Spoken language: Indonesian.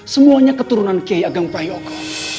semuanya keturunan kiai agang payoka